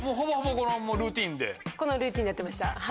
このルーティンでやってました。